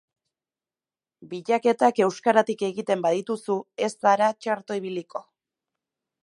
Bilaketak euskaratik egiten badituzu ez zara txarto ibiliko.